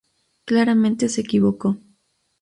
Claramente se equivocó.